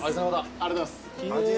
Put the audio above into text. ありがとうございます。